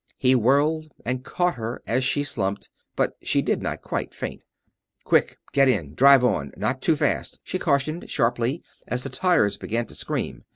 He whirled and caught her as she slumped, but she did not quite faint. "Quick! Get in ... drive on ... not too fast!" she cautioned, sharply, as the tires began to scream.